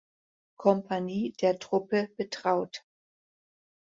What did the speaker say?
Kompanie der Truppe betraut.